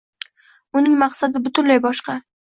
Uning maqsadi butunlay boshqa